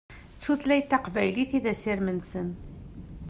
D tutlayt taqbaylit i d asirem-nsen.